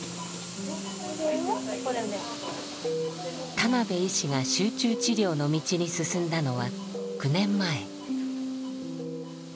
田邉医師が集中治療の道に進んだのは９年前。